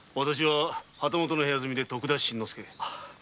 旗本の部屋住みで徳田新之助